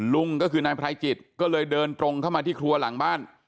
ลุงก็คือนายไพรจิตก็เลยเดินตรงเข้ามาที่ครัวหลังบ้าน